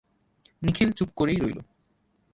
নিখিল চুপ করেই রইল।